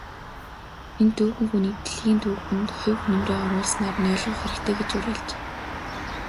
Энэ түүхэн хүнийг дэлхийн түүхэнд хувь нэмрээ оруулснаар нь ойлгох хэрэгтэй гэж уриалжээ.